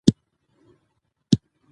په کافی اندازه خوب کول بدن ته ګټه رسوی